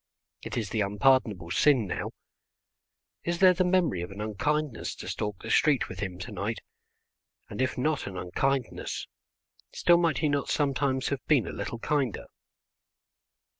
It is the unpardonable sin now; is there the memory of an unkindness to stalk the street with him to night? And if not an unkindness, still might he not sometimes have been a little kinder?